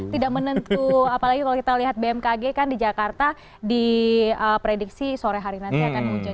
tidak menentu apalagi kalau kita lihat bmkg kan di jakarta diprediksi sore hari nanti akan muncul